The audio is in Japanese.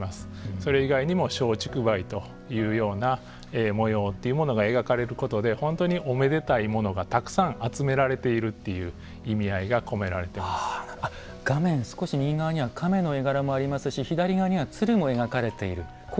それ以外にも松竹梅というような文様というものが描かれることによって本当におめでたいものがたくさん集められているという画面、少し右側には亀の絵柄もありますし左側には鶴も描かれている。